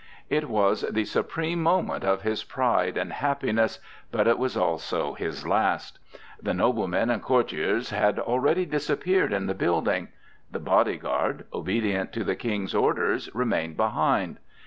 It was the supreme moment of his pride and happiness; but it was also his last. The noblemen and courtiers had already disappeared in the building. The body guard, obedient to the King's orders, remained behind.